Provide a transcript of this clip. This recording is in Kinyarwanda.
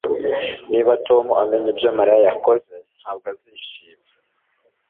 Niba Tom amenye ibyo Mariya yakoze ntabwo azishima